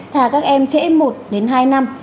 thà các em trễ một hai năm